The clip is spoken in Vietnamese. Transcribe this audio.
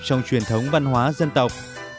trong truyền thống văn hóa dân tộc